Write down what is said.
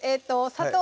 砂糖